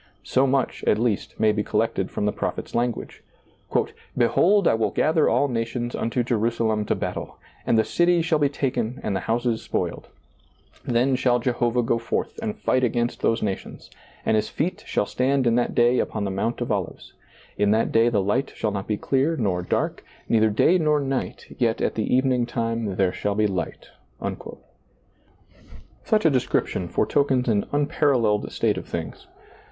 So much, at least, may be collected from the prophet's language :" Behold, I will gather all nations unto Jerusalem to battle, and the city shall be taken and the houses spoiled: then shall Jehovah go forth and Bght against those nations, and his feet shall stand in that day upon the Mount of Olives ; in that day the light shall not be clear nor dark, neither day nor night, yet at the evening time there shall be light" Such a description foretokens an unparalleled ^lailizccbvGoOgle A NEW YEAR SERMON 79 state of things.